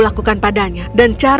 tapi apa yang dia kejar